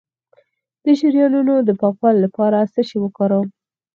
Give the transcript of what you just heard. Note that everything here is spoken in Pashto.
د شریانونو د پاکوالي لپاره څه شی وکاروم؟